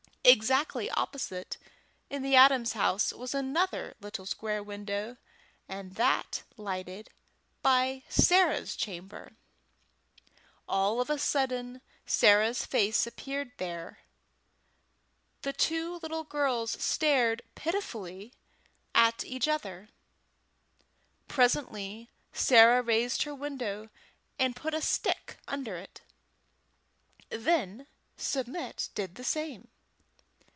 Exactly opposite in the Adams' house was another little square window, and that lighted Sarah's chamber. All of a sudden Sarah's face appeared there. The two little girls stared pitifully at each other. Presently Sarah raised her window, and put a stick under it; then Submit did the same.